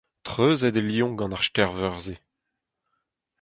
Treuzet eo Lyon gant ar stêr-veur-se.